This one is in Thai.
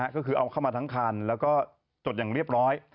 ก็คือเอาเข้ามาทั้งคันแล้วก็จดอย่างเรียบร้อย